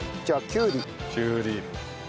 きゅうり。